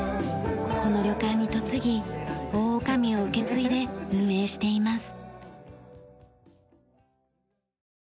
この旅館に嫁ぎ大女将を受け継いで運営しています。